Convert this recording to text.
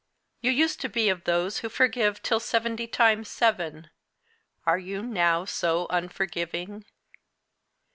You used to be of those who forgive till seventy times seven; are you now so unforgiving?